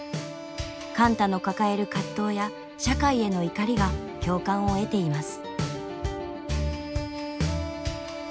貫多の抱える葛藤や社会への怒りが共感を得ています。